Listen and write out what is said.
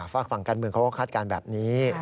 ฝากฝั่งการเมืองเขาก็คาดการณ์แบบนี้